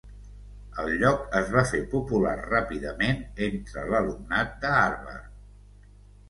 El lloc es va fer popular ràpidament entre l'alumnat de Harvard.